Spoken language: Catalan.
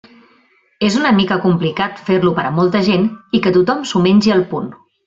És una mica complicat fer-lo per a molta gent i que tothom s'ho mengi al punt.